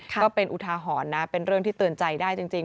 ก็เป็นอุทาหรณ์นะเป็นเรื่องที่เตือนใจได้จริง